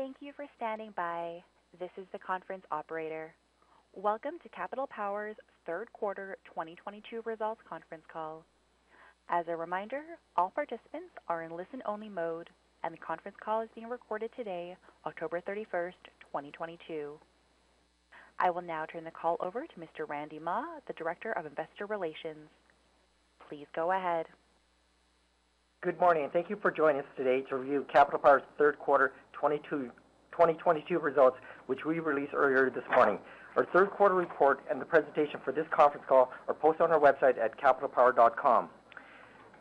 Thank you for standing by. This is the conference operator. Welcome to Capital Power's third quarter 2022 results conference call. As a reminder, all participants are in listen-only mode, and the conference call is being recorded today, October 31, 2022. I will now turn the call over to Mr. Randy Mah, the Director of Investor Relations. Please go ahead. Good morning, and thank you for joining us today to review Capital Power's third quarter 2022 results, which we released earlier this morning. Our third quarter report and the presentation for this conference call are posted on our website at capitalpower.com.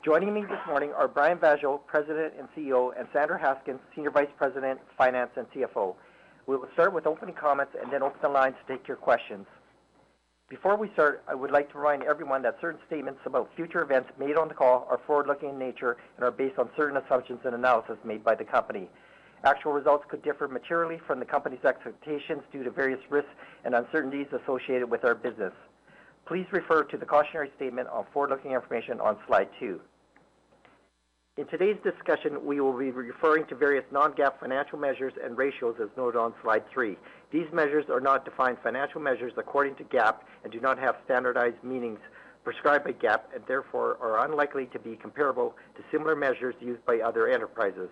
Joining me this morning are Brian Vaasjo, President and CEO, and Sandra Haskins, Senior Vice President, Finance and CFO. We will start with opening comments and then open the lines to take your questions. Before we start, I would like to remind everyone that certain statements about future events made on the call are forward-looking in nature and are based on certain assumptions and analysis made by the company. Actual results could differ materially from the company's expectations due to various risks and uncertainties associated with our business. Please refer to the cautionary statement on forward-looking information on slide 2. In today's discussion, we will be referring to various non-GAAP financial measures and ratios as noted on slide 3. These measures are not defined financial measures according to GAAP and do not have standardized meanings prescribed by GAAP and therefore are unlikely to be comparable to similar measures used by other enterprises.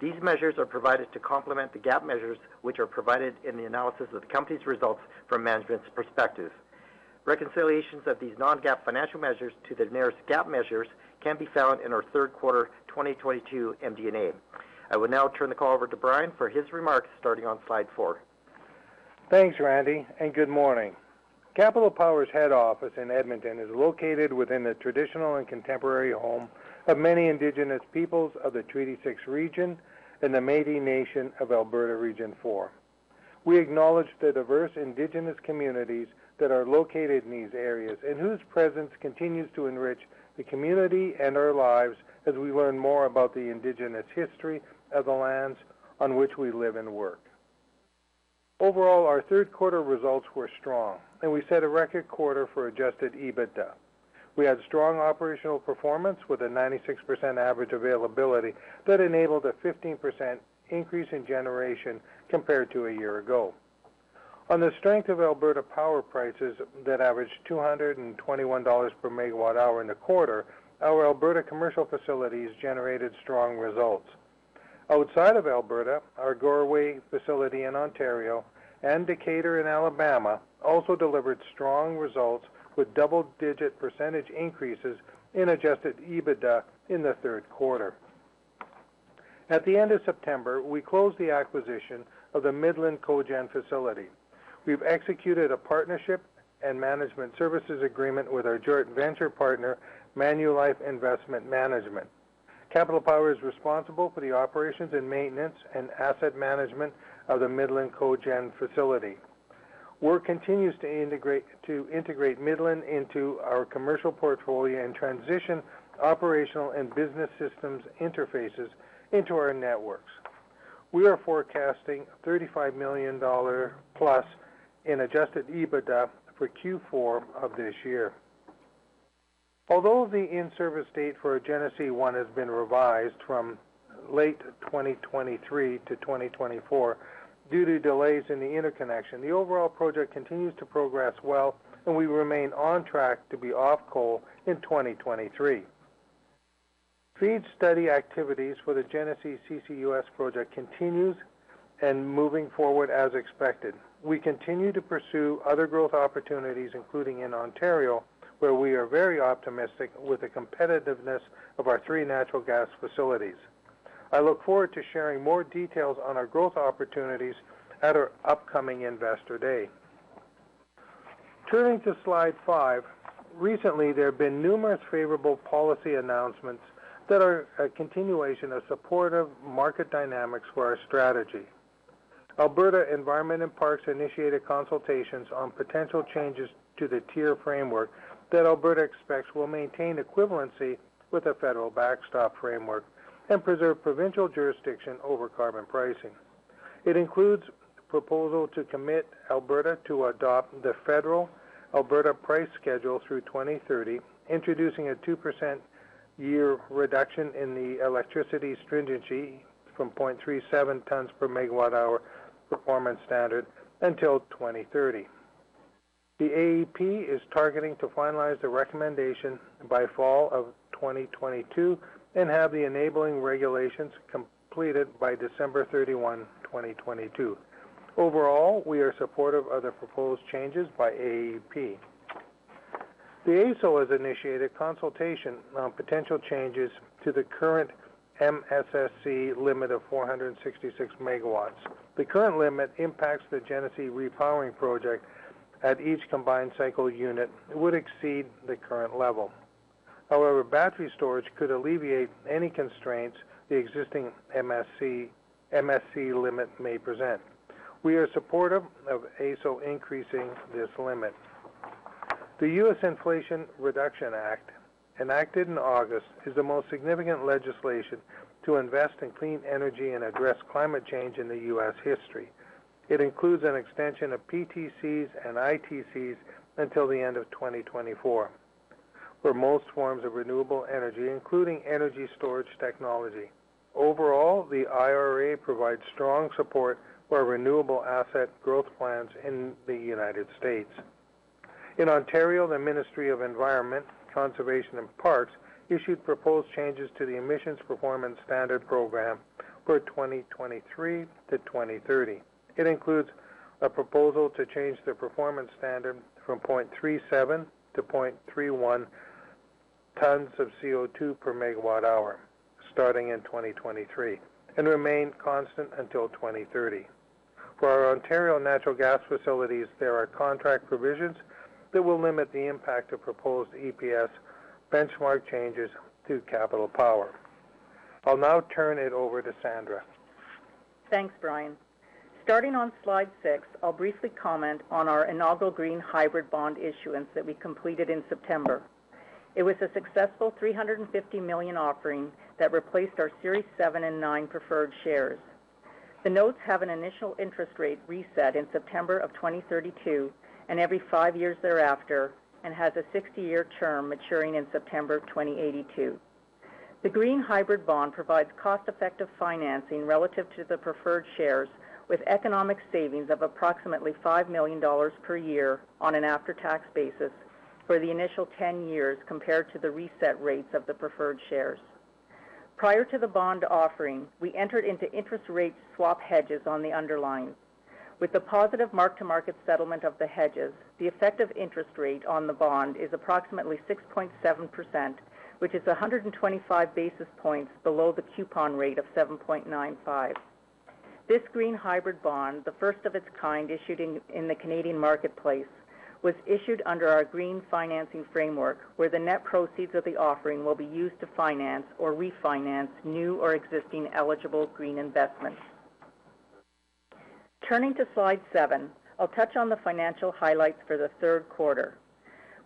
These measures are provided to complement the GAAP measures, which are provided in the analysis of the company's results from management's perspective. Reconciliations of these non-GAAP financial measures to the nearest GAAP measures can be found in our third quarter 2022 MD&A. I will now turn the call over to Brian for his remarks starting on slide 4. Thanks, Randy, and good morning. Capital Power's head office in Edmonton is located within the traditional and contemporary home of many indigenous peoples of the Treaty 6 region and the Métis Nation of Alberta Region 4. We acknowledge the diverse indigenous communities that are located in these areas and whose presence continues to enrich the community and our lives as we learn more about the indigenous history of the lands on which we live and work. Overall, our third quarter results were strong, and we set a record quarter for adjusted EBITDA. We had strong operational performance with a 96% average availability that enabled a 15% increase in generation compared to a year ago. On the strength of Alberta power prices that averaged 221 dollars per MWh in the quarter, our Alberta commercial facilities generated strong results. Outside of Alberta, our Goreway facility in Ontario and Decatur in Alabama also delivered strong results with double-digit % increases in adjusted EBITDA in the third quarter. At the end of September, we closed the acquisition of the Midland Cogen facility. We've executed a partnership and management services agreement with our joint venture partner, Manulife Investment Management. Capital Power is responsible for the operations and maintenance and asset management of the Midland Cogen facility. Work continues to integrate Midland into our commercial portfolio and transition operational and business systems interfaces into our networks. We are forecasting 35+ million dollar in adjusted EBITDA for Q4 of this year. Although the in-service date for Genesee 1 has been revised from late 2023 to 2024 due to delays in the interconnection, the overall project continues to progress well, and we remain on track to be off coal in 2023. FEED study activities for the Genesee CCUS project continues and moving forward as expected. We continue to pursue other growth opportunities, including in Ontario, where we are very optimistic with the competitiveness of our three natural gas facilities. I look forward to sharing more details on our growth opportunities at our upcoming Investor Day. Turning to slide 5. Recently, there have been numerous favorable policy announcements that are a continuation of supportive market dynamics for our strategy. Alberta Environment and Parks initiated consultations on potential changes to the TIER framework that Alberta expects will maintain equivalency with the federal backstop framework and preserve provincial jurisdiction over carbon pricing. It includes proposal to commit Alberta to adopt the federal Alberta price schedule through 2030, introducing a 2% year reduction in the electricity stringency from 0.37 tons per MWh performance standard until 2030. The AEP is targeting to finalize the recommendation by fall of 2022 and have the enabling regulations completed by December 31, 2022. Overall, we are supportive of the proposed changes by AEP. The AESO has initiated consultation on potential changes to the current MSSC limit of 466 MW. The current limit impacts the Genesee Repowering Project as each combined cycle unit would exceed the current level. However, battery storage could alleviate any constraints the existing MSSC limit may present. We are supportive of AESO increasing this limit. The U.S. Inflation Reduction Act, enacted in August, is the most significant legislation to invest in clean energy and address climate change in U.S. history. It includes an extension of PTCs and ITCs until the end of 2024. For most forms of renewable energy, including energy storage technology. Overall, the IRA provides strong support for renewable asset growth plans in the United States. In Ontario, the Ministry of Environment, Conservation and Parks issued proposed changes to the Emissions Performance Standard program for 2023 to 2030. It includes a proposal to change the performance standard from 0.37 to 0.31 tons of CO₂ per MWh, starting in 2023, and remain constant until 2030. For our Ontario natural gas facilities, there are contract provisions that will limit the impact of proposed EPS benchmark changes to Capital Power. I'll now turn it over to Sandra. Thanks, Brian. Starting on slide 6, I'll briefly comment on our inaugural green hybrid bond issuance that we completed in September. It was a successful 350 million offering that replaced our Series 7 and 9 preferred shares. The notes have an initial interest rate reset in September of 2032 and every 5 years thereafter, and has a 60-year term maturing in September 2082. The green hybrid bond provides cost-effective financing relative to the preferred shares, with economic savings of approximately 5 million dollars per year on an after-tax basis for the initial 10 years compared to the reset rates of the preferred shares. Prior to the bond offering, we entered into interest rate swap hedges on the underlying. With the positive mark-to-market settlement of the hedges, the effective interest rate on the bond is approximately 6.7%, which is 125 basis points below the coupon rate of 7.95%. This green hybrid bond, the first of its kind issued in the Canadian marketplace, was issued under our green financing framework, where the net proceeds of the offering will be used to finance or refinance new or existing eligible green investments. Turning to slide 7, I'll touch on the financial highlights for the third quarter.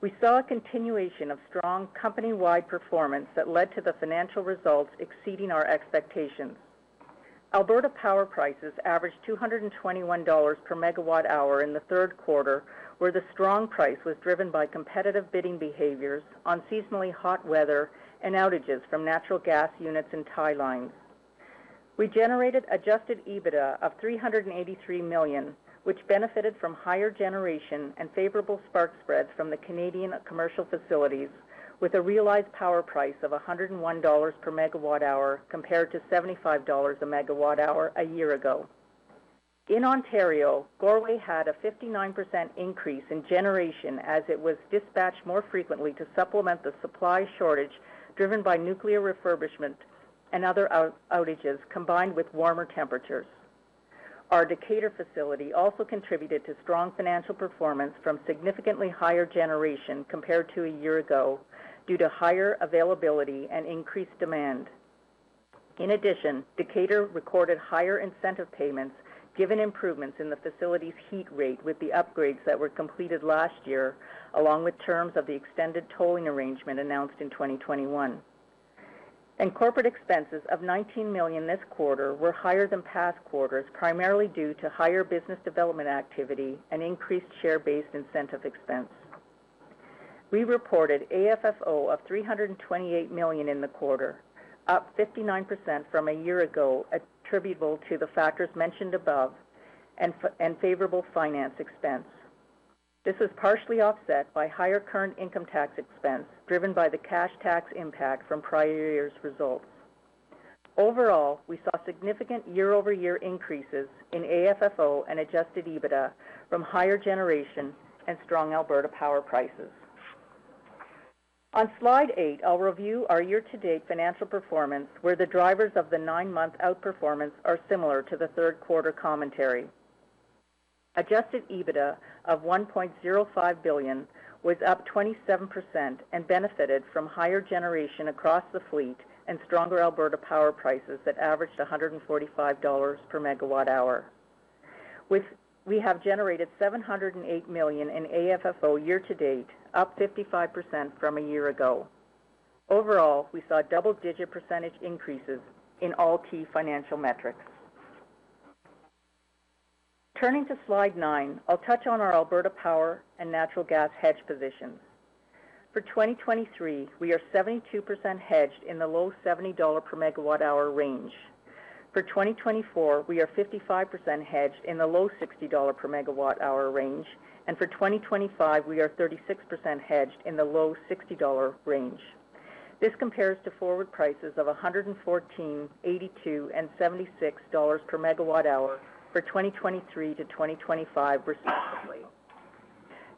We saw a continuation of strong company-wide performance that led to the financial results exceeding our expectations. Alberta power prices averaged 221 dollars per MWh in the third quarter, where the strong price was driven by competitive bidding behaviors on seasonally hot weather and outages from natural gas units and tie lines. We generated adjusted EBITDA of 383 million, which benefited from higher generation and favorable spark spreads from the Canadian commercial facilities with a realized power price of 101 dollars per MWh compared to 75 dollars per MWh a year ago. In Ontario, Goreway had a 59% increase in generation as it was dispatched more frequently to supplement the supply shortage driven by nuclear refurbishment and other outages combined with warmer temperatures. Our Decatur facility also contributed to strong financial performance from significantly higher generation compared to a year ago due to higher availability and increased demand. In addition, Decatur recorded higher incentive payments given improvements in the facility's heat rate with the upgrades that were completed last year, along with terms of the extended tolling arrangement announced in 2021. Corporate expenses of 19 million this quarter were higher than past quarters, primarily due to higher business development activity and increased share-based incentive expense. We reported AFFO of 328 million in the quarter, up 59% from a year ago, attributable to the factors mentioned above and favorable finance expense. This was partially offset by higher current income tax expense driven by the cash tax impact from prior year's results. Overall, we saw significant year-over-year increases in AFFO and adjusted EBITDA from higher generation and strong Alberta power prices. On slide 8, I'll review our year-to-date financial performance, where the drivers of the 9-month outperformance are similar to the third quarter commentary. Adjusted EBITDA of 1.05 billion was up 27% and benefited from higher generation across the fleet and stronger Alberta power prices that averaged 145 dollars per MWh. We have generated 708 million in AFFO year-to-date, up 55% from a year ago. Overall, we saw double-digit percentage increases in all key financial metrics. Turning to slide 9, I'll touch on our Alberta power and natural gas hedge position. For 2023, we are 72% hedged in the low 70 dollar per MWh range. For 2024, we are 55% hedged in the low 60 dollar per MWh range. For 2025, we are 36% hedged in the low 60 dollar range. This compares to forward prices of 114, 82, and 76 dollars per MWh for 2023 to 2025, respectively.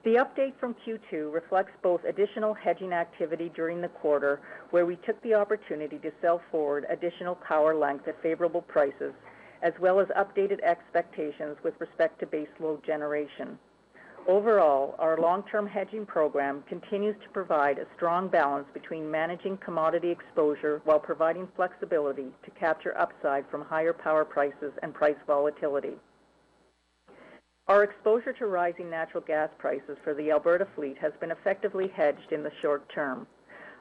The update from Q2 reflects both additional hedging activity during the quarter, where we took the opportunity to sell forward additional power length at favorable prices, as well as updated expectations with respect to base load generation. Overall, our long-term hedging program continues to provide a strong balance between managing commodity exposure while providing flexibility to capture upside from higher power prices and price volatility. Our exposure to rising natural gas prices for the Alberta fleet has been effectively hedged in the short term.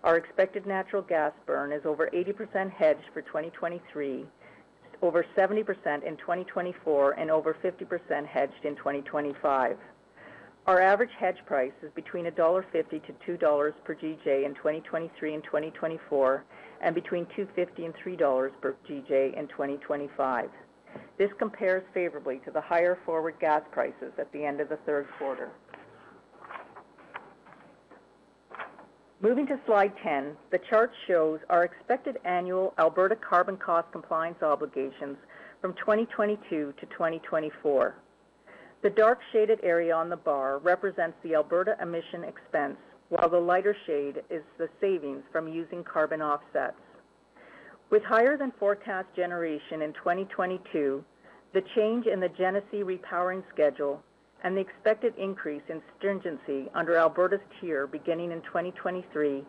Our expected natural gas burn is over 80% hedged for 2023. Over 70% in 2024 and over 50% hedged in 2025. Our average hedge price is between 1.50-2 dollars per GJ in 2023 and 2024, and between 2.50-3 dollars per GJ in 2025. This compares favorably to the higher forward gas prices at the end of the third quarter. Moving to slide 10, the chart shows our expected annual Alberta carbon cost compliance obligations from 2022 to 2024. The dark shaded area on the bar represents the Alberta emissions expense, while the lighter shade is the savings from using carbon offsets. With higher than forecast generation in 2022, the change in the Genesee repowering schedule and the expected increase in stringency under Alberta's TIER beginning in 2023,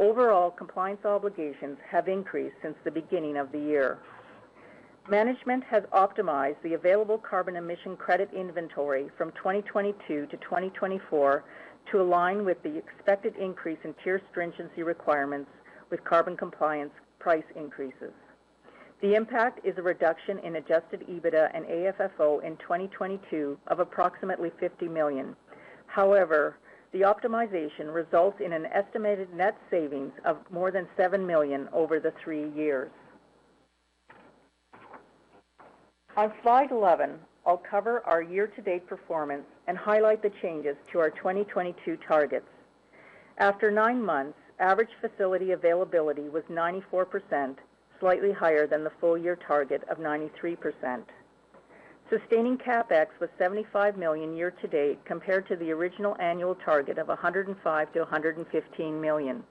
overall compliance obligations have increased since the beginning of the year. Management has optimized the available carbon emission credit inventory from 2022 to 2024 to align with the expected increase in TIER stringency requirements with carbon compliance price increases. The impact is a reduction in adjusted EBITDA and AFFO in 2022 of approximately 50 million. However, the optimization results in an estimated net savings of more than 7 million over the three years. On slide 11, I'll cover our year-to-date performance and highlight the changes to our 2022 targets. After 9 months, average facility availability was 94%, slightly higher than the full-year target of 93%. Sustaining CapEx was 75 million year-to-date compared to the original annual target of 105 million-115 million.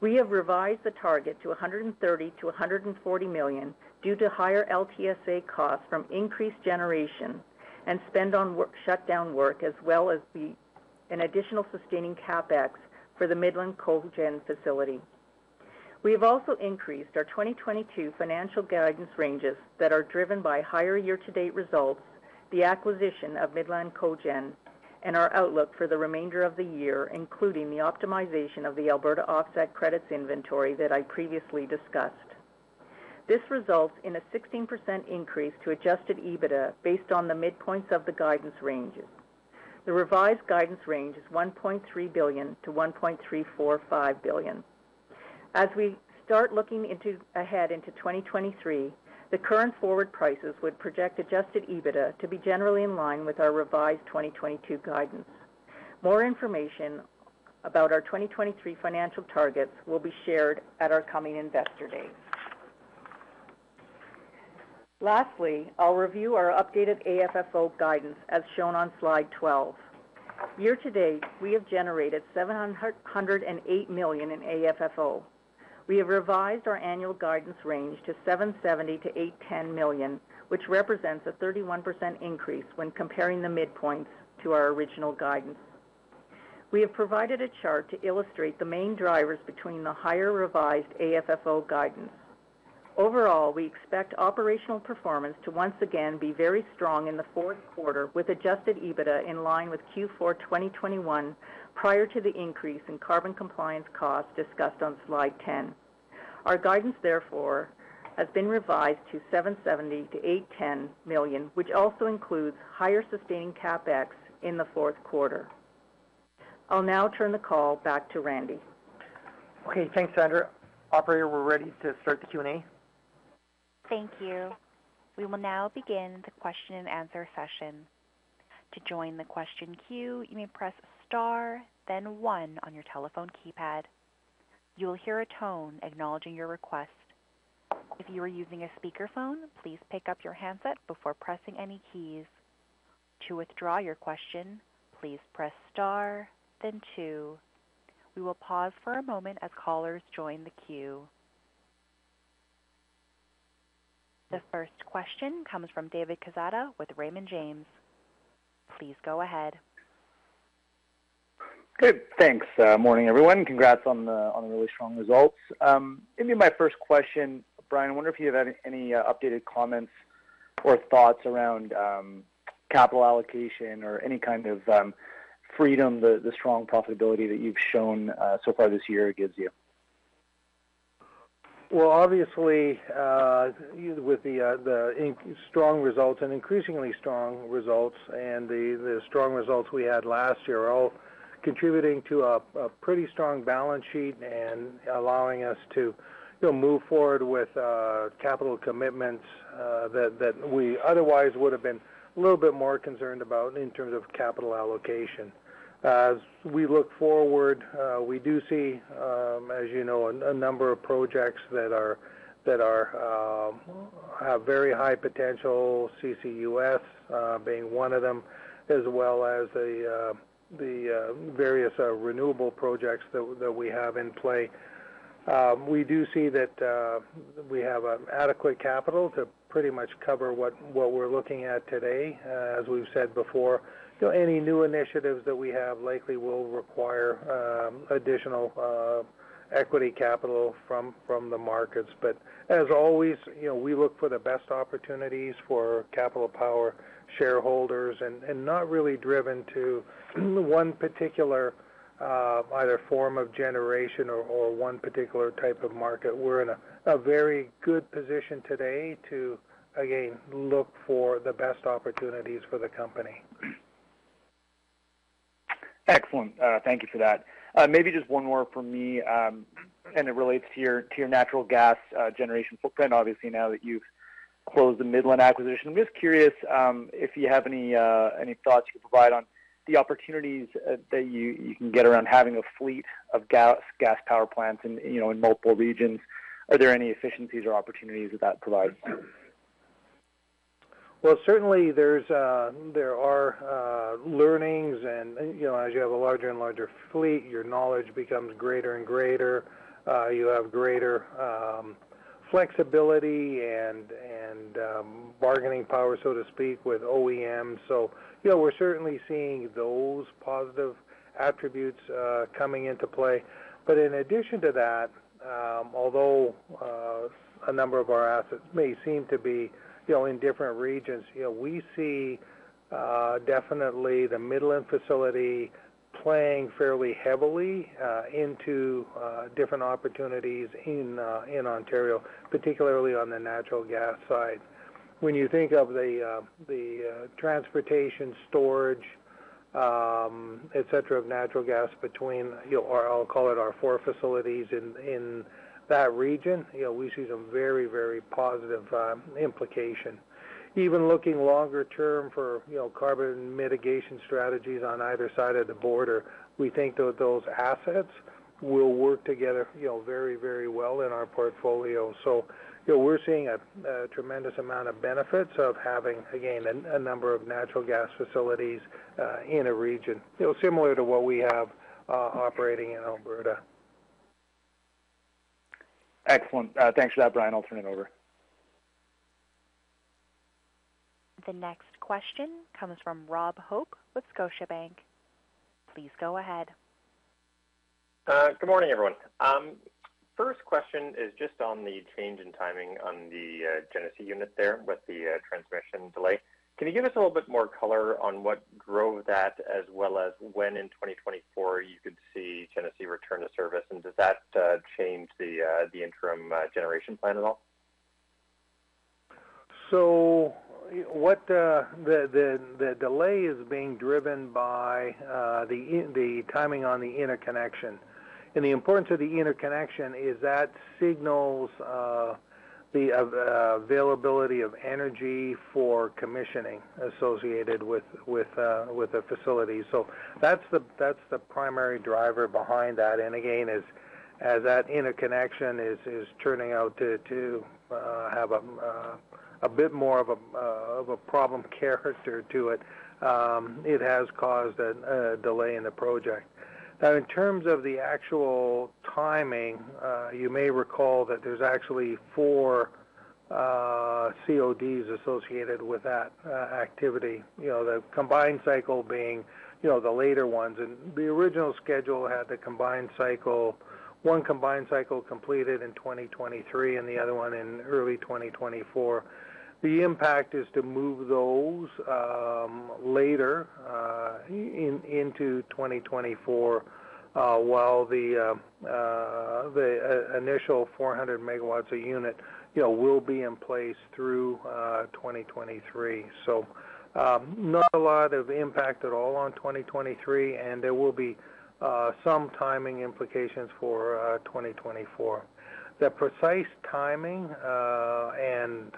We have revised the target to 130 million-140 million due to higher LTSA costs from increased generation and spend on shutdown work, as well as an additional sustaining CapEx for the Midland Cogen facility. We have also increased our 2022 financial guidance ranges that are driven by higher year-to-date results, the acquisition of Midland Cogen, and our outlook for the remainder of the year, including the optimization of the Alberta offset credits inventory that I previously discussed. This results in a 16% increase to adjusted EBITDA based on the midpoints of the guidance ranges. The revised guidance range is 1.3 billion-1.345 billion. As we start looking ahead into 2023, the current forward prices would project adjusted EBITDA to be generally in line with our revised 2022 guidance. More information about our 2023 financial targets will be shared at our coming Investor Day. Lastly, I'll review our updated AFFO guidance as shown on slide 12. Year-to-date, we have generated 708 million in AFFO. We have revised our annual guidance range to 770 million-810 million, which represents a 31% increase when comparing the midpoints to our original guidance. We have provided a chart to illustrate the main drivers between the higher revised AFFO guidance. Overall, we expect operational performance to once again be very strong in the fourth quarter with adjusted EBITDA in line with Q4 2021 prior to the increase in carbon compliance costs discussed on slide 10. Our guidance, therefore, has been revised to 770 million-810 million, which also includes higher sustained CapEx in the fourth quarter. I'll now turn the call back to Randy. Okay, thanks, Sandra. Operator, we're ready to start the Q&A. Thank you. We will now begin the question-and-answer session. To join the question queue, you may press star then one on your telephone keypad. You will hear a tone acknowledging your request. If you are using a speakerphone, please pick up your handset before pressing any keys. To withdraw your question, please press star then two. We will pause for a moment as callers join the queue. The first question comes from David Quezada with Raymond James. Please go ahead. Good. Thanks. Morning, everyone. Congrats on the really strong results. Maybe my first question, Brian, I wonder if you have any updated comments or thoughts around capital allocation or any kind of freedom the strong profitability that you've shown so far this year gives you? Well, obviously, with the strong results and increasingly strong results we had last year are all contributing to a pretty strong balance sheet and allowing us to, you know, move forward with capital commitments that we otherwise would have been a little bit more concerned about in terms of capital allocation. As we look forward, we do see, as you know, a number of projects that have very high potential, CCUS being one of them, as well as the various renewable projects that we have in play. We do see that we have adequate capital to pretty much cover what we're looking at today. As we've said before, you know, any new initiatives that we have likely will require additional equity capital from the markets. As always, you know, we look for the best opportunities for Capital Power shareholders and not really driven to one particular either form of generation or one particular type of market. We're in a very good position today to again look for the best opportunities for the company. Excellent. Thank you for that. Maybe just one more from me. It relates to your natural gas generation footprint, obviously, now that you've closed the Midland acquisition. I'm just curious if you have any thoughts you could provide on the opportunities that you can get around having a fleet of gas power plants in, you know, in multiple regions. Are there any efficiencies or opportunities that provides? Well, certainly there are learnings and, you know, as you have a larger and larger fleet, your knowledge becomes greater and greater. You have greater flexibility and bargaining power, so to speak, with OEMs. You know, we're certainly seeing those positive attributes coming into play. In addition to that, although a number of our assets may seem to be, you know, in different regions, you know, we see definitely the Midland facility playing fairly heavily into different opportunities in Ontario, particularly on the natural gas side. When you think of the transportation storage, et cetera, of natural gas between, you know, or I'll call it our four facilities in that region, you know, we see some very positive implication. Even looking longer term for, you know, carbon mitigation strategies on either side of the border, we think that those assets will work together, you know, very, very well in our portfolio. You know, we're seeing a tremendous amount of benefits of having, again, a number of natural gas facilities in a region, you know, similar to what we have operating in Alberta. Excellent. Thanks for that, Brian. I'll turn it over. The next question comes from Rob Hope with Scotiabank. Please go ahead. Good morning, everyone. First question is just on the change in timing on the Genesee unit there with the transmission delay. Can you give us a little bit more color on what drove that as well as when in 2024 you could see Genesee return to service? Does that change the interim generation plan at all? What the delay is being driven by the timing on the interconnection. The importance of the interconnection is that signals the availability of energy for commissioning associated with the facility. That's the primary driver behind that. Again, as that interconnection is turning out to have a bit more of a problem character to it has caused a delay in the project. Now, in terms of the actual timing, you may recall that there's actually 4 CODs associated with that activity. You know, the combined cycle being, you know, the later ones. The original schedule had one combined cycle completed in 2023 and the other one in early 2024. The impact is to move those later into 2024, while the initial 400 MW a unit, you know, will be in place through 2023. Not a lot of impact at all on 2023, and there will be some timing implications for 2024. The precise timing and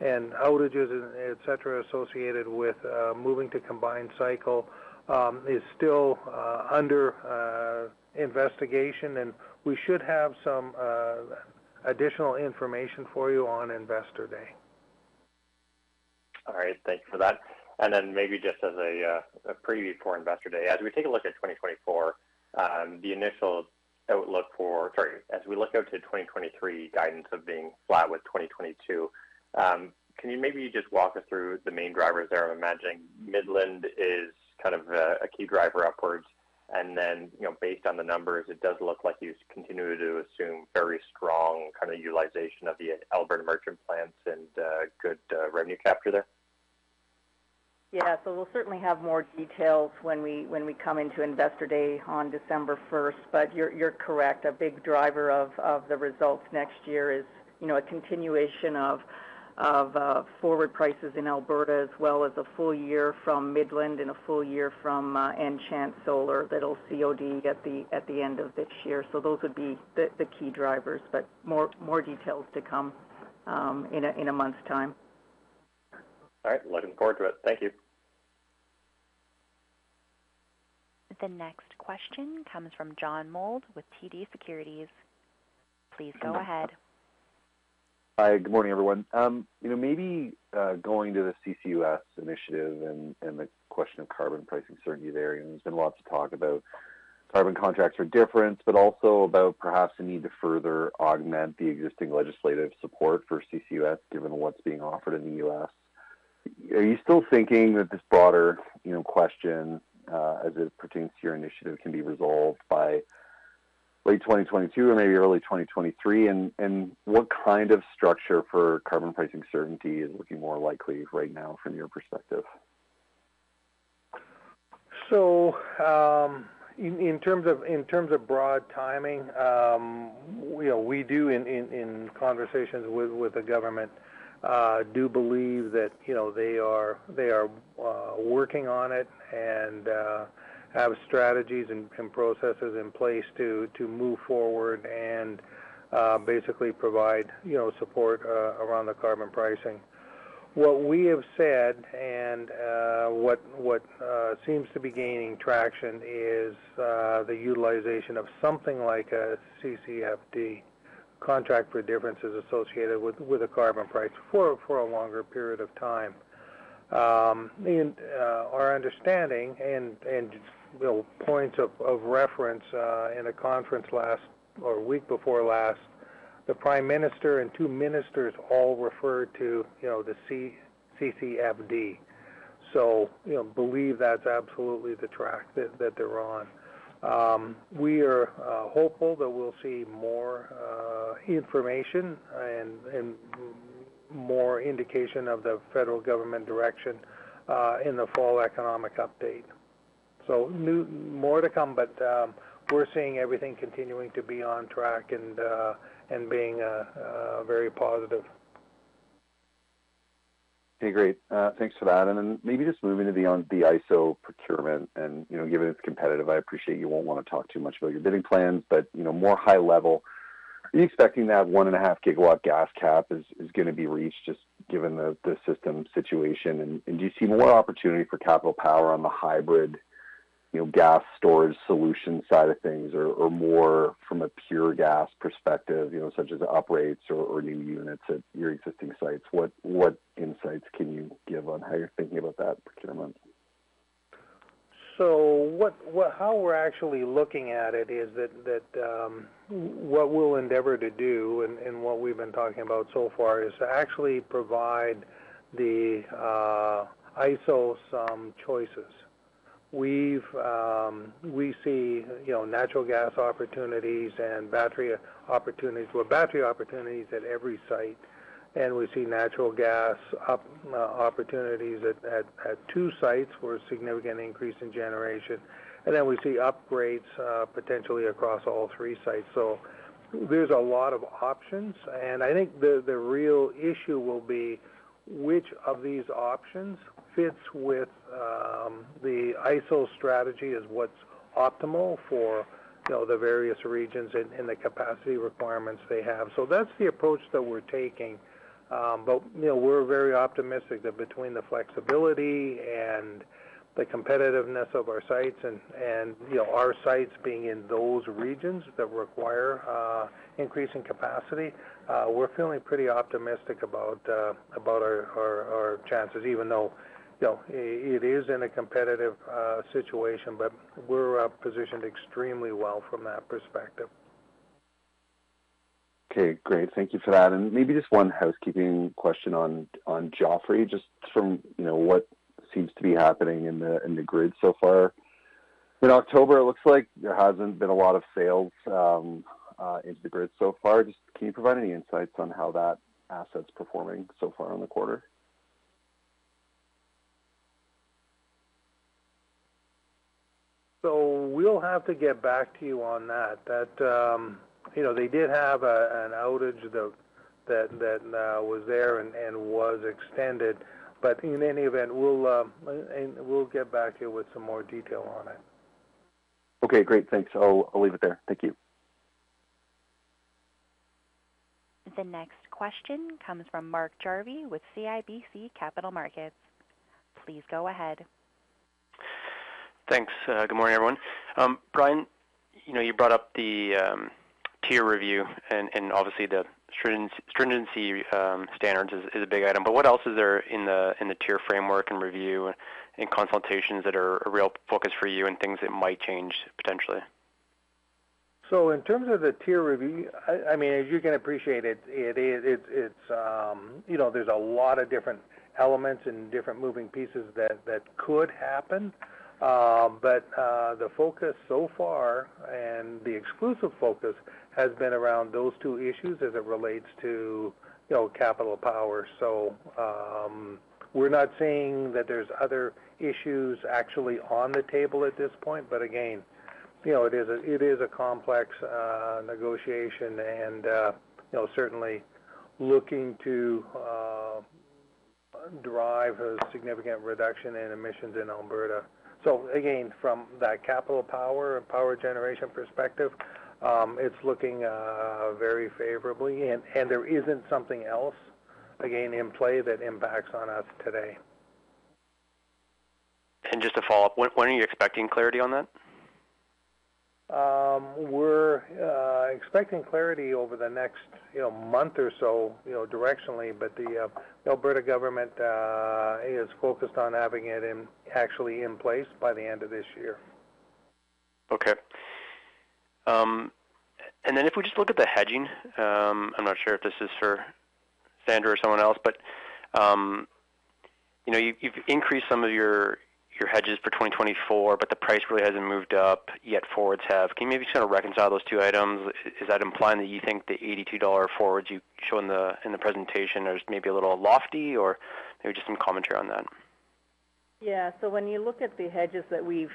and outages, et cetera, associated with moving to combined cycle is still under investigation, and we should have some additional information for you on Investor Day. All right. Thanks for that. Maybe just as a preview for Investor Day. As we look out to 2023 guidance of being flat with 2022, can you maybe just walk us through the main drivers there? I'm imagining Midland is kind of a key driver upwards. Then, you know, based on the numbers, it does look like you continue to assume very strong kind of utilization of the Alberta merchant plants and good revenue capture there. Yeah. We'll certainly have more details when we come into Investor Day on December first. You're correct. A big driver of the results next year is, you know, a continuation of forward prices in Alberta, as well as a full year from Midland and a full year from Enchant Solar that'll COD at the end of this year. Those would be the key drivers, but more details to come in a month's time. All right. Looking forward to it. Thank you. The next question comes from John Mould with TD Securities. Please go ahead. Hi. Good morning, everyone. You know, maybe going to the CCUS initiative and the question of carbon pricing certainty there, and there's been lots of talk about carbon contracts for difference but also about perhaps the need to further augment the existing legislative support for CCUS given what's being offered in the U.S. Are you still thinking that this broader, you know, question, as it pertains to your initiative, can be resolved by late 2022 or maybe early 2023? What kind of structure for carbon pricing certainty is looking more likely right now from your perspective? In terms of broad timing, you know, we do in conversations with the government do believe that, you know, they are working on it and have strategies and processes in place to move forward and basically provide, you know, support around the carbon pricing. What we have said and what seems to be gaining traction is the utilization of something like a CCFD contract for differences associated with a carbon price for a longer period of time. Our understanding and points of reference in a conference last week or week before last, the Prime Minister and two ministers all referred to, you know, the CCFD. You know, believe that's absolutely the track that they're on. We are hopeful that we'll see more information and more indication of the federal government direction in the fall economic update. More to come, but we're seeing everything continuing to be on track and being very positive. Okay, great. Thanks for that. Maybe just moving to the AESO procurement and, you know, given it's competitive, I appreciate you won't want to talk too much about your bidding plans. You know, more high level, are you expecting that 1.5-GW gas cap is gonna be reached just given the system situation? Do you see more opportunity for Capital Power on the hybrid, you know, gas storage solution side of things or more from a pure gas perspective, you know, such as operates or new units at your existing sites? What insights can you give on how you're thinking about that procurement? How we're actually looking at it is that what we'll endeavor to do and what we've been talking about so far is to actually provide the AESO some choices. We see, you know, natural gas opportunities and battery opportunities. Well, battery opportunities at every site, and we see natural gas opportunities at two sites for a significant increase in generation. Then we see upgrades potentially across all three sites. There's a lot of options. I think the real issue will be which of these options fits with the AESO strategy is what's optimal for, you know, the various regions and the capacity requirements they have. That's the approach that we're taking. You know, we're very optimistic that between the flexibility and the competitiveness of our sites and you know, our sites being in those regions that require increase in capacity, we're feeling pretty optimistic about our chances, even though, you know, it is in a competitive situation. We're positioned extremely well from that perspective. Okay, great. Thank you for that. Maybe just one housekeeping question on Joffre, just from, you know, what seems to be happening in the grid so far. In October, it looks like there hasn't been a lot of sales into the grid so far. Just can you provide any insights on how that asset's performing so far in the quarter? We'll have to get back to you on that. That, you know, they did have an outage that was there and was extended. In any event, we'll get back to you with some more detail on it. Okay, great. Thanks. I'll leave it there. Thank you. The next question comes from Mark Jarvi with CIBC Capital Markets. Please go ahead. Thanks. Good morning, everyone. Brian, you know, you brought up the TIER review and obviously the stringency standards is a big item. What else is there in the TIER framework and review and consultations that are a real focus for you and things that might change potentially? In terms of the TIER review, I mean, as you can appreciate, it's, you know, there's a lot of different elements and different moving pieces that could happen. The focus so far and the exclusive focus has been around those two issues as it relates to, you know, Capital Power. We're not saying that there's other issues actually on the table at this point. Again, you know, it is a complex negotiation and, you know, certainly looking to drive a significant reduction in emissions in Alberta. Again, from that Capital Power power generation perspective, it's looking very favorably. There isn't something else, again, in play that impacts on us today. Just a follow-up. When are you expecting clarity on that? We're expecting clarity over the next, you know, month or so, you know, directionally. The Alberta government is focused on having it actually in place by the end of this year. Okay. If we just look at the hedging, I'm not sure if this is for Sandra or someone else. You know, you've increased some of your hedges for 2024, but the price really hasn't moved up yet, forwards have. Can you maybe sort of reconcile those two items? Is that implying that you think the 82 dollar forwards you show in the presentation are just maybe a little lofty? Or maybe just some commentary on that. Yeah. When you look at the hedges that we've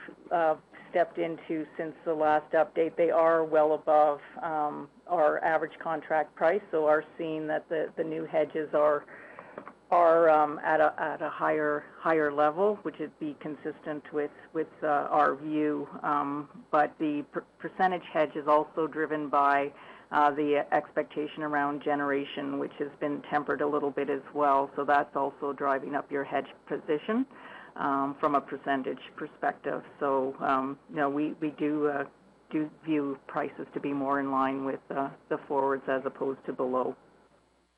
stepped into since the last update, they are well above our average contract price. We're seeing that the new hedges are at a higher level, which would be consistent with our view. The percentage hedge is also driven by the expectation around generation, which has been tempered a little bit as well. That's also driving up your hedge position from a percentage perspective. You know, we do view prices to be more in line with the forwards as opposed to below.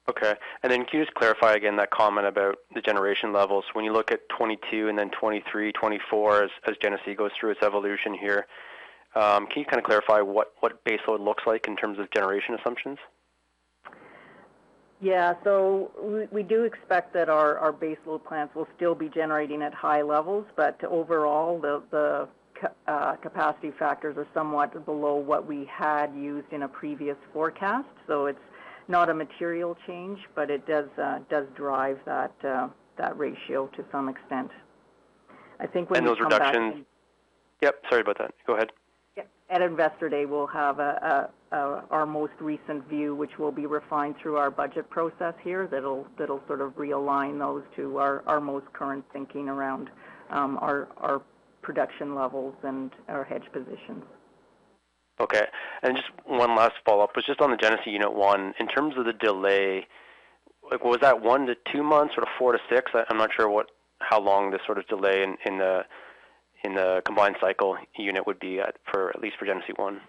Okay. Can you just clarify again that comment about the generation levels? When you look at 2022 and then 2023, 2024, as Genesee goes through its evolution here, can you kind of clarify what baseload looks like in terms of generation assumptions? Yeah. We do expect that our baseload plants will still be generating at high levels. Overall, the capacity factors are somewhat below what we had used in a previous forecast. It's not a material change but it does drive that ratio to some extent. I think when we come back. Yep, sorry about that. Go ahead. Yeah. At Investor Day, we'll have our most recent view, which will be refined through our budget process here. That'll sort of realign those to our most current thinking around our production levels and our hedge positions. Okay. Just one last follow-up was just on the Genesee Unit 1. In terms of the delay, was that 1-2 months or 4-6? I'm not sure what how long this sort of delay in the combined cycle unit would be, at least for Genesee 1.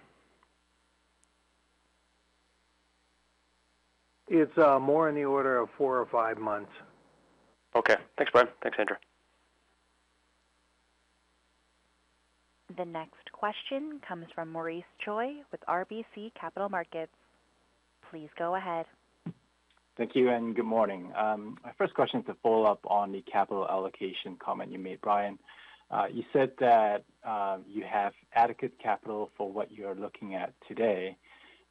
It's more in the order of 4 or 5 months. Okay. Thanks, Brian. Thanks, Sandra. The next question comes from Maurice Choy with RBC Capital Markets. Please go ahead. Thank you, and good morning. My first question is a follow-up on the capital allocation comment you made, Brian. You said that you have adequate capital for what you're looking at today,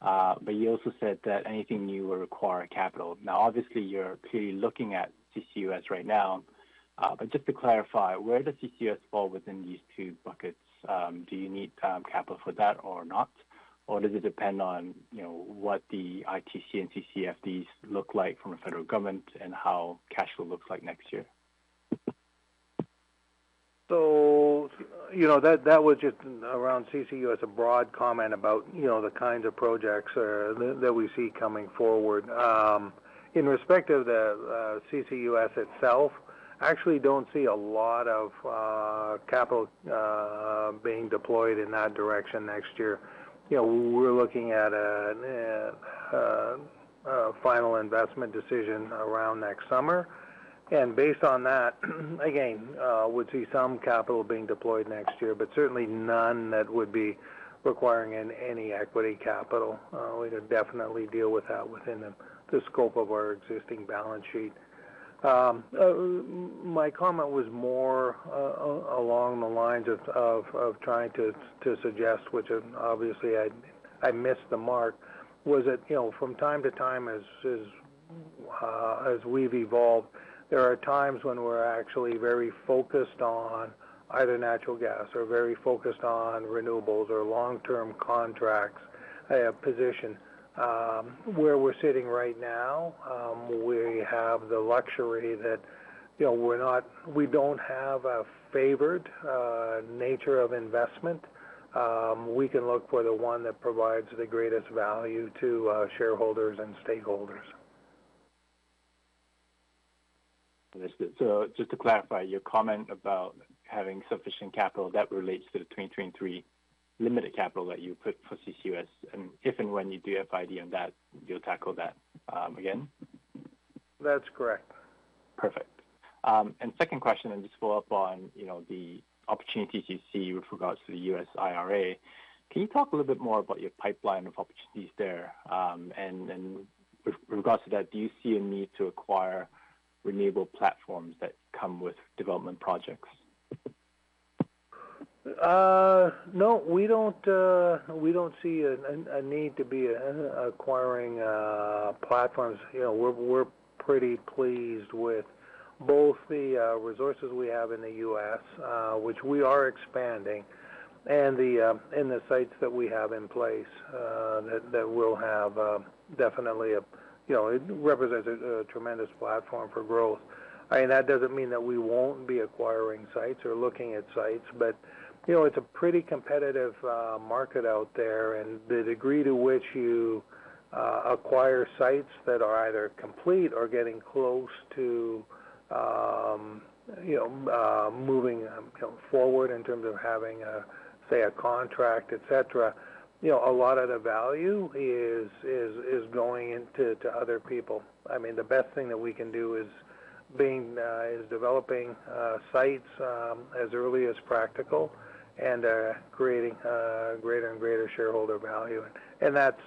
but you also said that anything new will require capital. Now, obviously, you're clearly looking at CCUS right now. Just to clarify, where does CCUS fall within these two buckets? Do you need capital for that or not? Or does it depend on, you know, what the ITC and CCFDs look like from the federal government and how cash flow looks like next year? You know, that was just around CCUS, a broad comment about, you know, the kinds of projects that we see coming forward. In respect of the CCUS itself, I actually don't see a lot of capital being deployed in that direction next year. You know, we're looking at a final investment decision around next summer. Based on that, again, we'd see some capital being deployed next year, but certainly none that would be requiring any equity capital. We could definitely deal with that within the scope of our existing balance sheet. My comment was more along the lines of trying to suggest, which obviously I missed the mark, was that, you know, from time to time, as we've evolved, there are times when we're actually very focused on either natural gas or very focused on renewables or long-term contracts, position. Where we're sitting right now, we have the luxury that, you know, we don't have a favored nature of investment. We can look for the one that provides the greatest value to shareholders and stakeholders. Understood. Just to clarify your comment about having sufficient capital that relates to the 2023 limited capital that you put for CCUS, and if and when you do FID on that, you'll tackle that again? That's correct. Perfect. Second question, just follow up on, you know, the opportunities you see with regards to the U.S. IRA. Can you talk a little bit more about your pipeline of opportunities there? With regards to that, do you see a need to acquire renewable platforms that come with development projects? No, we don't see a need to be acquiring platforms. You know, we're pretty pleased with both the resources we have in the U.S., which we are expanding, and the sites that we have in place that will have definitely, you know, it represents a tremendous platform for growth. I mean, that doesn't mean that we won't be acquiring sites or looking at sites, but you know, it's a pretty competitive market out there. The degree to which you acquire sites that are either complete or getting close to, you know, moving forward in terms of having a, say, a contract, et cetera. You know, a lot of the value is going into other people. I mean, the best thing that we can do is developing sites as early as practical and creating greater and greater shareholder value. That's,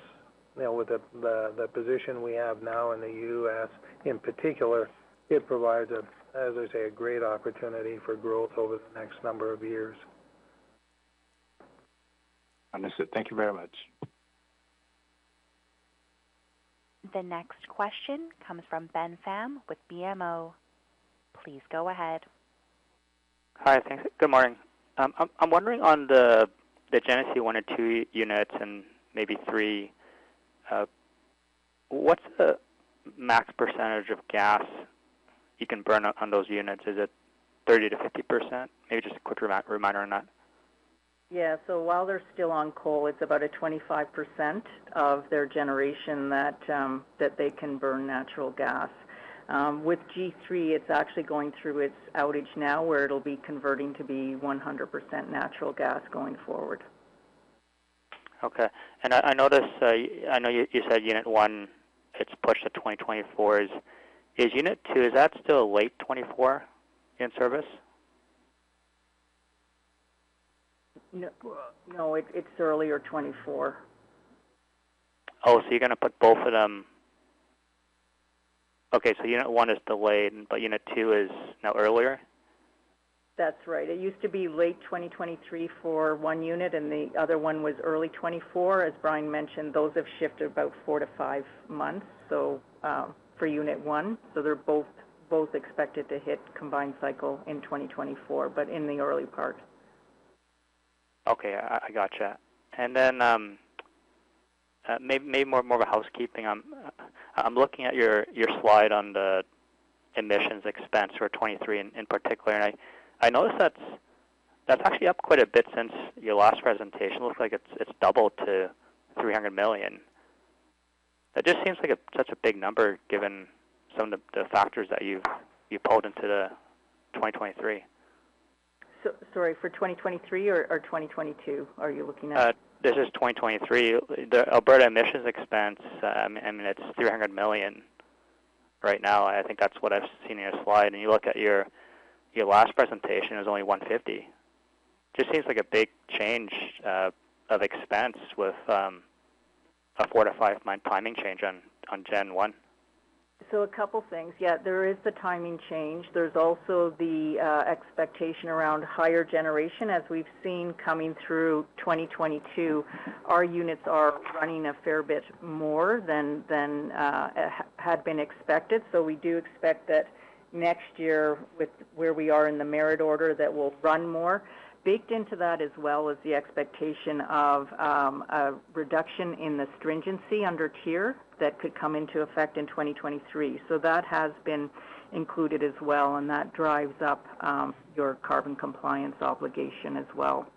you know, with the position we have now in the U.S. in particular, it provides, as I say, a great opportunity for growth over the next number of years. Understood. Thank you very much. The next question comes from Ben Pham with BMO. Please go ahead. Hi. Thanks. Good morning. I'm wondering on the Genesee 1 or 2 units and maybe 3, what's the max percentage of gas you can burn on those units? Is it 30%-50%? Maybe just a quick reminder on that. While they're still on coal, it's about 25% of their generation that they can burn natural gas. With G3, it's actually going through its outage now where it'll be converting to be 100% natural gas going forward. Okay. I noticed, I know you said unit one, it's pushed to 2024. Is unit two, is that still late 2024 in service? No, it's earlier 2024. Oh, you're gonna put both of them. Okay, unit one is delayed, but unit two is now earlier? That's right. It used to be late 2023 for one unit, and the other one was early 2024. As Brian mentioned, those have shifted about 4-5 months. For unit one. They're both expected to hit combined cycle in 2024, but in the early part. Okay. I gotcha. Then, maybe more of a housekeeping. I'm looking at your slide on the emissions expense for 2023 in particular. I noticed that's actually up quite a bit since your last presentation. Looks like it's doubled to 300 million. It just seems like such a big number given some of the factors that you've pulled into the 2023. Sorry, for 2023 or 2022 are you looking at? This is 2023. The Alberta emissions expense, I mean, it's 300 million right now, and I think that's what I've seen in your slide. You look at your last presentation, it was only 150 million. Just seems like a big change of expense with a 4 to 5-month timing change on Gen 1. A couple things. Yeah, there is the timing change. There's also the expectation around higher generation. As we've seen coming through 2022, our units are running a fair bit more than had been expected. We do expect that next year with where we are in the merit order, that we'll run more. Baked into that as well is the expectation of a reduction in the stringency under TIER that could come into effect in 2023. That has been included as well, and that drives up your carbon compliance obligation as well.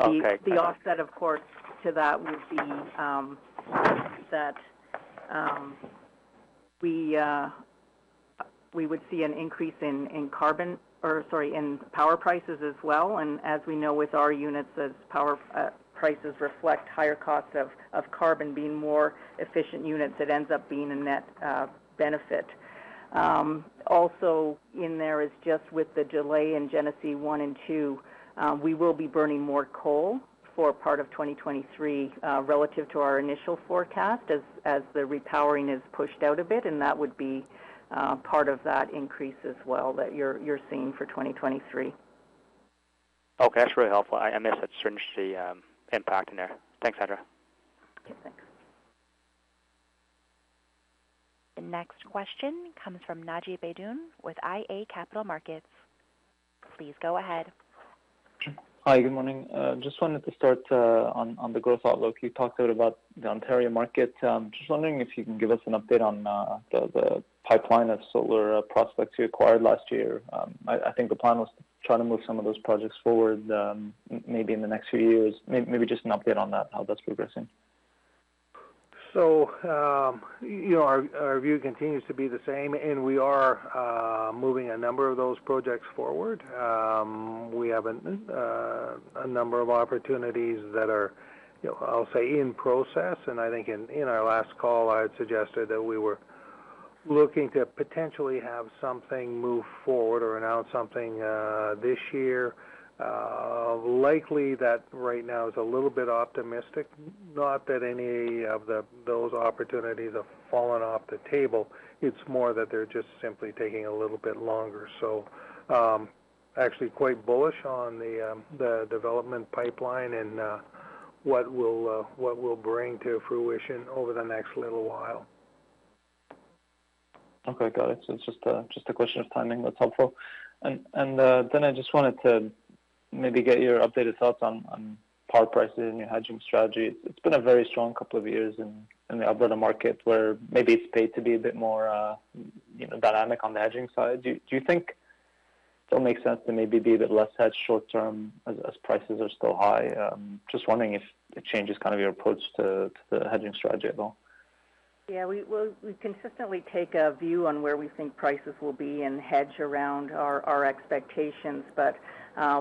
Okay. Got it. The offset, of course, to that would be that we would see an increase in power prices as well. As we know with our units, as power prices reflect higher costs of carbon being more efficient units, it ends up being a net benefit. Also in there is just with the delay in Genesee 1 and 2, we will be burning more coal for part of 2023, relative to our initial forecast as the repowering is pushed out a bit, and that would be part of that increase as well that you're seeing for 2023. Okay. That's really helpful. I missed that stringency, impact in there. Thanks, Sandra Haskins. Okay, thanks. The next question comes from Naji Baydoun with iA Capital Markets. Please go ahead. Hi, good morning. Just wanted to start on the growth outlook. You talked a bit about the Ontario market. Just wondering if you can give us an update on the pipeline of solar prospects you acquired last year. I think the plan was to try to move some of those projects forward, maybe in the next few years. Maybe just an update on that, how that's progressing. You know, our view continues to be the same and we are moving a number of those projects forward. We have a number of opportunities that are, you know, I'll say in process. I think in our last call, I had suggested that we were looking to potentially have something move forward or announce something this year. Likely that right now is a little bit optimistic. Not that any of those opportunities have fallen off the table. It's more that they're just simply taking a little bit longer. Actually quite bullish on the development pipeline and what we'll bring to fruition over the next little while. Okay. Got it. It's just a question of timing. That's helpful. And then I just wanted to maybe get your updated thoughts on power prices and your hedging strategy. It's been a very strong couple of years in the Alberta market, where maybe it's paid to be a bit more, you know, dynamic on the hedging side. Do you think it'll make sense to maybe be a bit less hedged short term as prices are still high? Just wondering if it changes kind of your approach to the hedging strategy at all. Yeah. Well, we consistently take a view on where we think prices will be and hedge around our expectations.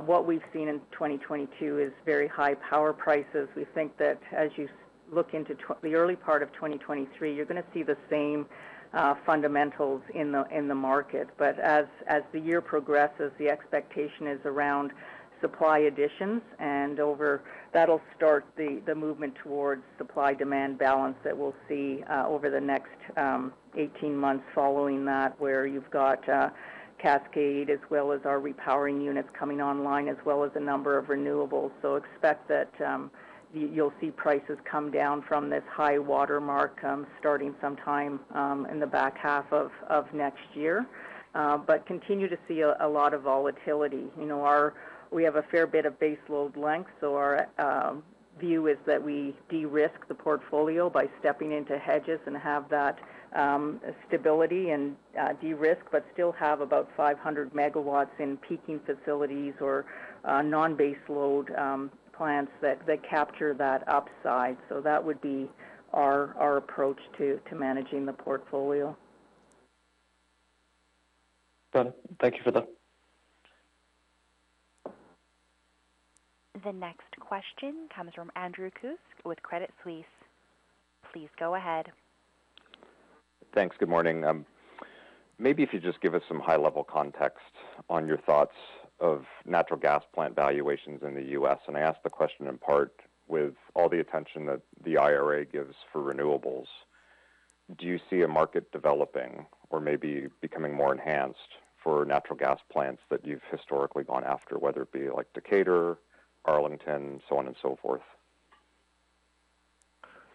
What we've seen in 2022 is very high power prices. We think that as you look into the early part of 2023, you're gonna see the same fundamentals in the market. As the year progresses, the expectation is around supply additions. That'll start the movement towards supply-demand balance that we'll see over the next 18 months following that, where you've got Cascade as well as our repowering units coming online, as well as a number of renewables. Expect that you'll see prices come down from this high water mark starting sometime in the back half of next year. Continue to see a lot of volatility. You know, we have a fair bit of base load length, so our view is that we de-risk the portfolio by stepping into hedges and have that stability and de-risk, but still have about 500 MW in peaking facilities or non-base load plants that capture that upside. That would be our approach to managing the portfolio. Done. Thank you for that. The next question comes from Andrew Kuske with Credit Suisse. Please go ahead. Thanks. Good morning. Maybe if you just give us some high-level context on your thoughts of natural gas plant valuations in the U.S. I ask the question in part with all the attention that the IRA gives for renewables. Do you see a market developing or maybe becoming more enhanced for natural gas plants that you've historically gone after, whether it be like Decatur, Arlington, so on and so forth?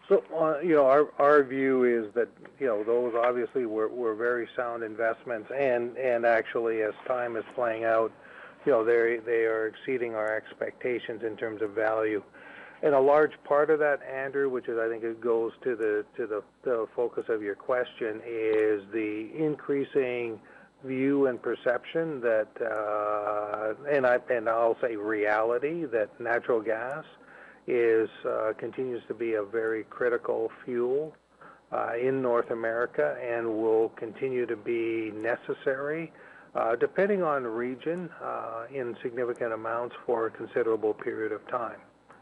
You know, our view is that, you know, those obviously were very sound investments. Actually, as time is playing out, you know, they are exceeding our expectations in terms of value. A large part of that, Andrew, which is, I think it goes to the focus of your question, is the increasing view and perception that and I'll say reality, that natural gas continues to be a very critical fuel in North America and will continue to be necessary, depending on region, in significant amounts for a considerable period of time.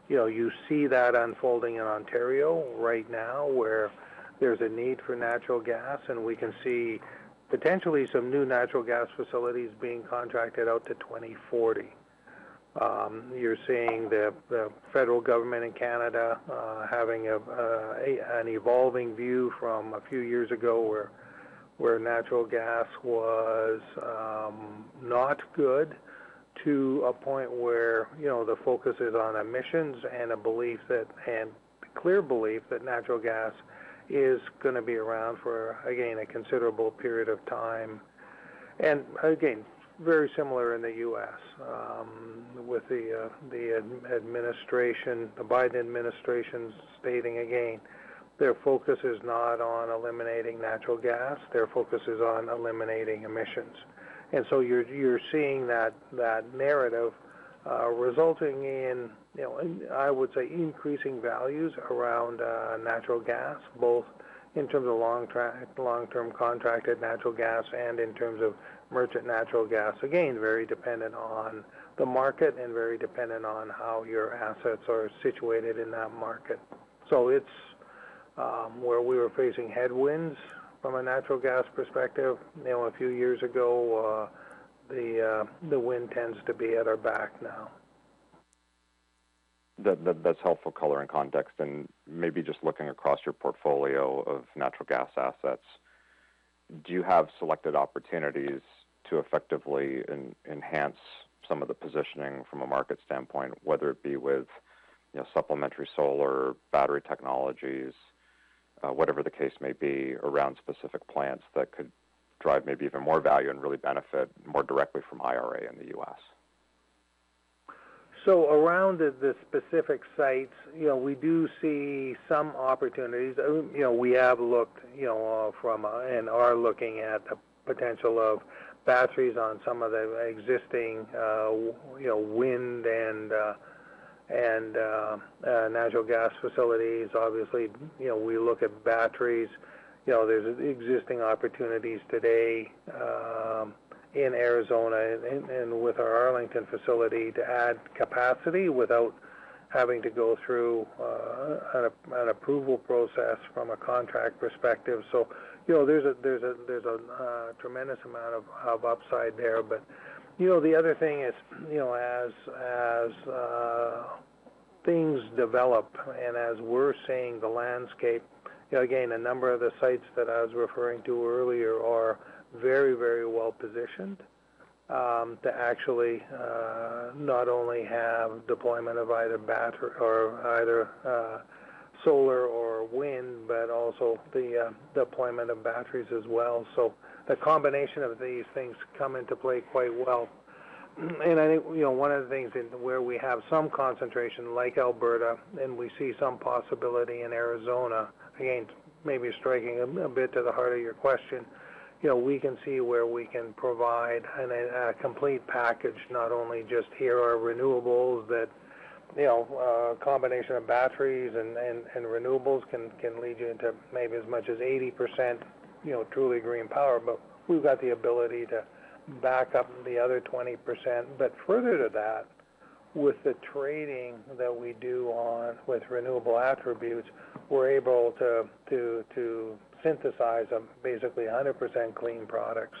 You know, you see that unfolding in Ontario right now, where there's a need for natural gas, and we can see potentially some new natural gas facilities being contracted out to 2040. You're seeing the federal government in Canada having an evolving view from a few years ago where natural gas was not good to a point where, you know, the focus is on emissions and a clear belief that natural gas is gonna be around for, again, a considerable period of time. Again, very similar in the U.S. with the administration, the Biden administration stating again, their focus is not on eliminating natural gas. Their focus is on eliminating emissions. You're seeing that narrative resulting in, you know, I would say, increasing values around natural gas, both in terms of long-term contracted natural gas and in terms of merchant natural gas. Again, very dependent on the market and very dependent on how your assets are situated in that market. It's where we were facing headwinds from a natural gas perspective, you know, a few years ago, the wind tends to be at our back now. That's helpful color and context. Maybe just looking across your portfolio of natural gas assets, do you have selected opportunities to effectively enhance some of the positioning from a market standpoint, whether it be with, you know, supplementary solar battery technologies, whatever the case may be, around specific plants that could drive maybe even more value and really benefit more directly from IRA in the U.S.? Around the specific sites, you know, we do see some opportunities. You know, we have looked and are looking at the potential of batteries on some of the existing, you know, wind and natural gas facilities. Obviously, you know, we look at batteries. You know, there's existing opportunities today in Arizona and with our Arlington facility to add capacity without having to go through an approval process from a contract perspective. You know, there's a tremendous amount of upside there. You know, the other thing is, you know, as things develop and as we're seeing the landscape, you know, again, a number of the sites that I was referring to earlier are very, very well positioned to actually not only have deployment of either solar or wind, but also the deployment of batteries as well. The combination of these things come into play quite well. I think, you know, one of the things is where we have some concentration, like Alberta, and we see some possibility in Arizona, again, maybe striking a bit to the heart of your question. You know, we can see where we can provide a complete package, not only just here are renewables that, you know, a combination of batteries and renewables can lead you into maybe as much as 80%, you know, truly green power. We've got the ability to back up the other 20%. Further to that, with the trading that we do on with renewable attributes, we're able to synthesize basically 100% clean products.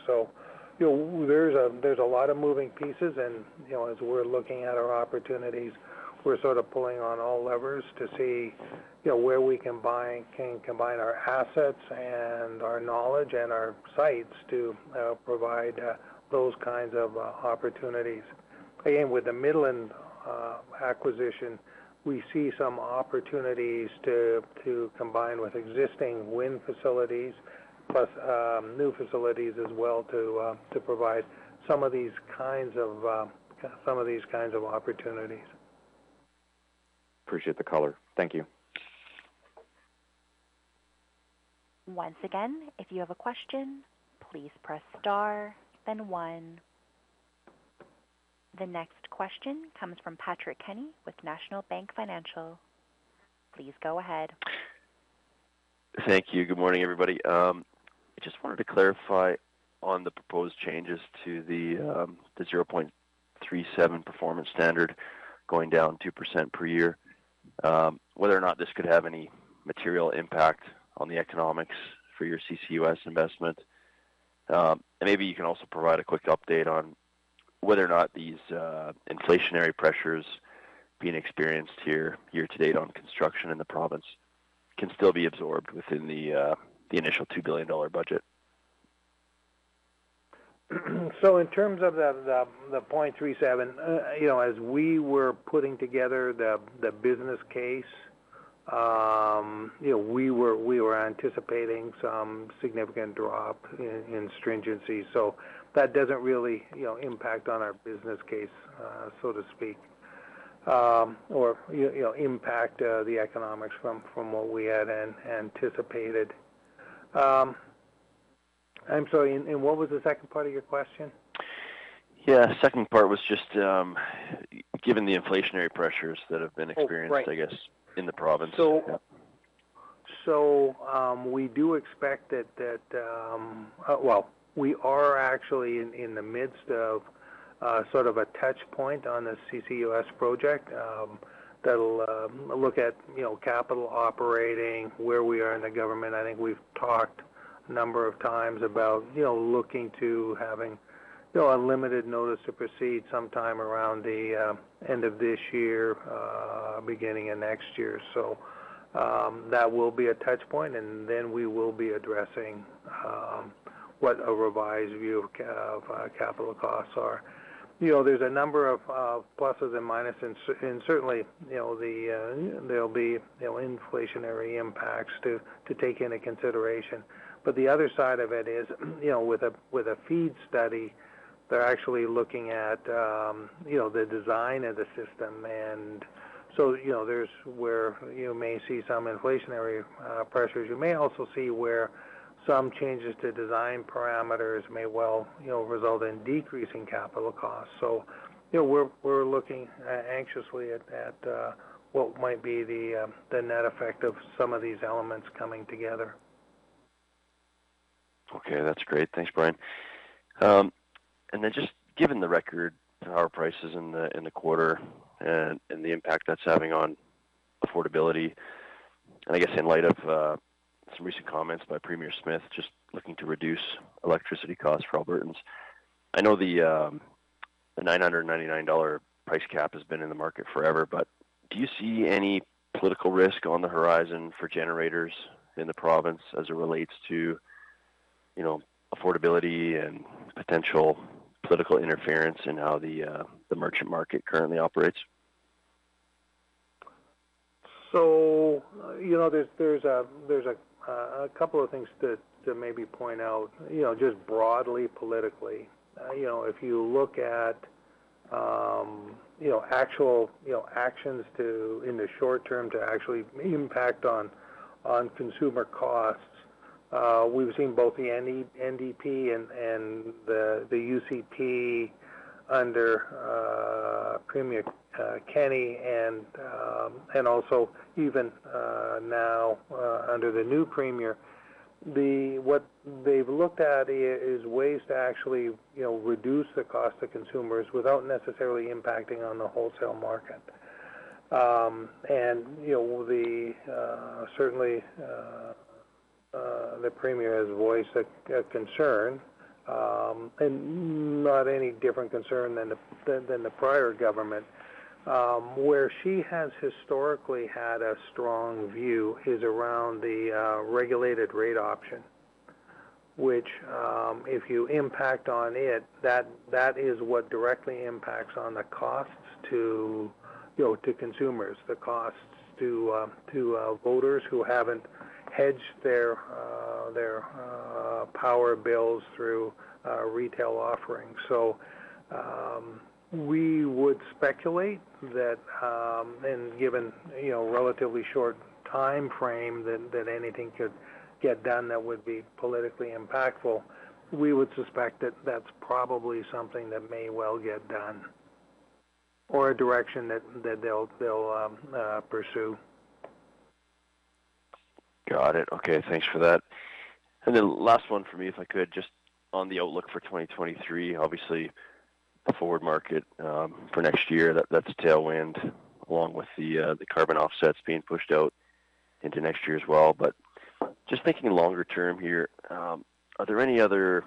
You know, there's a lot of moving pieces. You know, as we're looking at our opportunities, we're sort of pulling on all levers to see, you know, where we can buy and combine our assets and our knowledge and our sites to provide those kinds of opportunities. Again, with the Midland acquisition, we see some opportunities to combine with existing wind facilities, plus new facilities as well, to provide some of these kinds of opportunities. Appreciate the color. Thank you. Once again, if you have a question, please press star then one. The next question comes from Patrick Kenny with National Bank Financial. Please go ahead. Thank you. Good morning, everybody. I just wanted to clarify on the proposed changes to the 0.37 Emissions Performance Standard going down 2% per year, whether or not this could have any material impact on the economics for your CCUS investment. Maybe you can also provide a quick update on whether or not these inflationary pressures being experienced here, year-to-date on construction in the province can still be absorbed within the initial 2 billion dollar budget. In terms of the 0.37, you know, as we were putting together the business case, you know, we were anticipating some significant drop in stringency. That doesn't really, you know, impact on our business case, so to speak. Or you know impact the economics from what we had anticipated. I'm sorry, and what was the second part of your question? Yeah. Second part was just, given the inflationary pressures that have been experienced, I guess, in the province. Yeah. We are actually in the midst of a sort of a touch point on the CCUS project, that'll look at, you know, capital and operating, where we are with the government. I think we've talked a number of times about, you know, looking to having, you know, a limited notice to proceed sometime around the end of this year, beginning of next year. That will be a touch point, and then we will be addressing what a revised view of capital costs are. You know, there's a number of pluses and minuses, and certainly, you know, there'll be, you know, inflationary impacts to take into consideration. The other side of it is, you know, with a FEED study, they're actually looking at, you know, the design of the system. You know, there's where you may see some inflationary pressures. You may also see where some changes to design parameters may well, you know, result in decreasing capital costs. You know, we're looking anxiously at what might be the net effect of some of these elements coming together. Okay. That's great. Thanks, Brian. And then just given the record power prices in the quarter and the impact that's having on affordability, and I guess in light of some recent comments by Premier Smith, just looking to reduce electricity costs for Albertans. I know the 999 dollar price cap has been in the market forever, but do you see any political risk on the horizon for generators in the province as it relates to, you know, affordability and potential political interference in how the merchant market currently operates? You know, there's a couple of things to maybe point out, you know, just broadly politically. If you look at actual actions in the short term to actually impact on consumer costs, we've seen both the NDP and the UCP under Premier Kenney and also even now under the new premier. What they've looked at is ways to actually reduce the cost to consumers without necessarily impacting on the wholesale market. The premier has voiced a concern and not any different concern than the prior government. Where she has historically had a strong view is around the Regulated Rate Option. Which, if you impact on it, that is what directly impacts on the costs to, you know, to consumers. The costs to voters who haven't hedged their power bills through a retail offering. We would speculate that, and given, you know, relatively short timeframe that anything could get done that would be politically impactful, we would suspect that that's probably something that may well get done or a direction that they'll pursue. Got it. Okay. Thanks for that. Then last one for me, if I could, just on the outlook for 2023, obviously the forward market for next year, that's a tailwind along with the carbon offsets being pushed out into next year as well. Just thinking longer term here, are there any other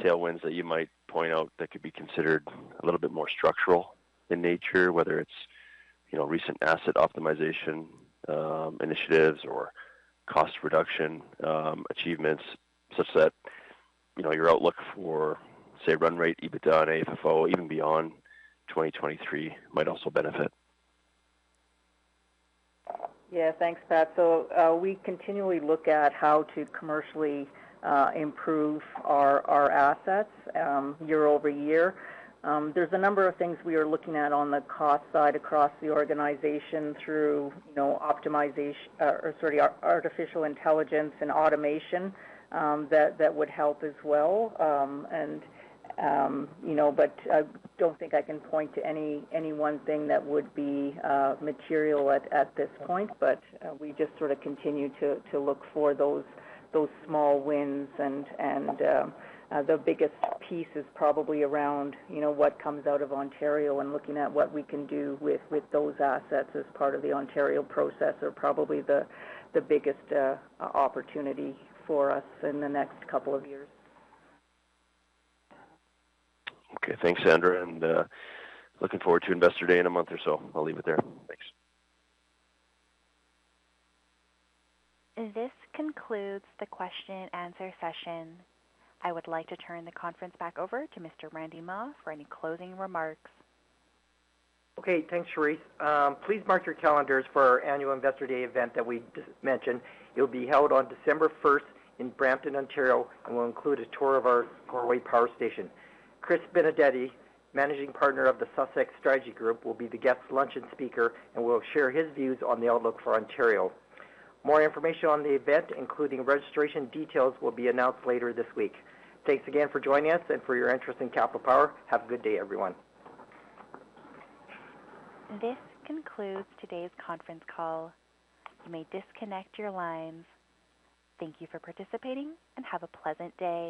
tailwinds that you might point out that could be considered a little bit more structural in nature? Whether it's, you know, recent asset optimization initiatives or cost reduction achievements such that, you know, your outlook for, say, run rate, EBITDA, and AFFO even beyond 2023 might also benefit. Yeah. Thanks, Pat. We continually look at how to commercially improve our assets year over year. There's a number of things we are looking at on the cost side across the organization through, you know, artificial intelligence and automation that would help as well. You know, I don't think I can point to any one thing that would be material at this point. We just sort of continue to look for those small wins and the biggest piece is probably around, you know, what comes out of Ontario and looking at what we can do with those assets as part of the Ontario process are probably the biggest opportunity for us in the next couple of years. Okay. Thanks, Sandra, and looking forward to Investor Day in a month or so. I'll leave it there. Thanks. This concludes the question-and-answer session. I would like to turn the conference back over to Mr. Randy Mah for any closing remarks. Okay. Thanks, Charisse. Please mark your calendars for our annual Investor Day event that we just mentioned. It'll be held on December first in Brampton, Ontario, and will include a tour of our Goreway Power Station. Chris Benedetti, Managing Partner of the Sussex Strategy Group, will be the guest luncheon speaker and will share his views on the outlook for Ontario. More information on the event, including registration details, will be announced later this week. Thanks again for joining us and for your interest in Capital Power. Have a good day, everyone. This concludes today's conference call. You may disconnect your lines. Thank you for participating, and have a pleasant day.